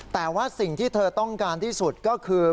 แต่ว่าสิ่งที่เธอต้องการที่สุดก็คือ